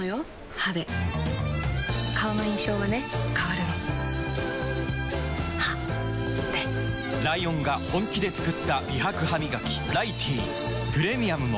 歯で顔の印象はね変わるの歯でライオンが本気で作った美白ハミガキ「ライティー」プレミアムも